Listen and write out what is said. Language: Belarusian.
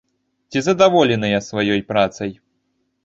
Ці задаволеныя сваёй працай?